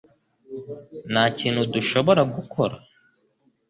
Nta kintu dushobora gukora?